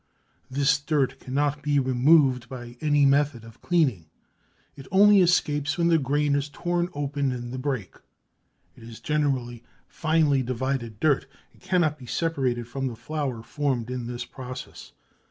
This dirt cannot be removed by any method of cleaning. It only escapes when the grain is torn open in the break. It is generally finely divided dirt and cannot be separated from the flour formed in this process.